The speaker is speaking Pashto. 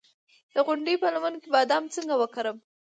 د غونډۍ په لمن کې بادام څنګه وکرم؟